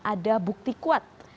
ada bukti kuat